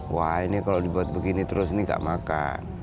wah ini kalau dibuat begini terus ini tidak maksimal